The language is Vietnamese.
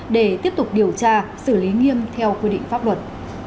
để tiếp tục điều tra xử lý nghiêm theo quy định pháp luật